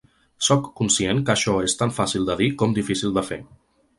Sóc conscient que això és tan fàcil de dir com difícil de fer.